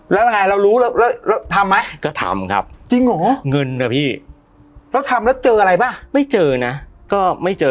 แล้วยังไงเรารู้แล้วทำไหมก็ทำครับจริงเหรอเงินนะพี่แล้วทำแล้วเจออะไรป่ะไม่เจอนะก็ไม่เจอ